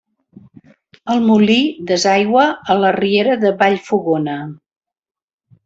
El molí desaigua a la riera de Vallfogona.